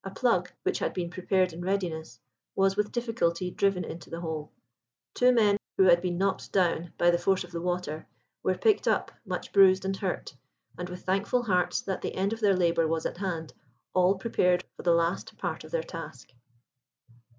A plug, which had been prepared in readiness, was with difficulty driven into the hole; two men who had been knocked down by the force of the water were picked up much bruised and hurt; and with thankful hearts that the end of their labour was at hand all prepared for the last part of their task.